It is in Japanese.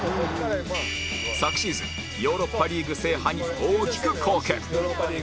昨シーズンヨーロッパリーグ制覇に大きく貢献